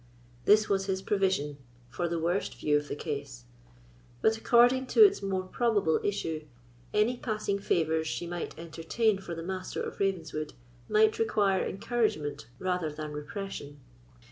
This was his provision for the worst view of the case. But, according to its more probable issue, any passing favours she might entertain for the Master of Ravenswood might require encouragement rather than repression.